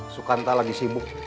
sukanta lagi sibuk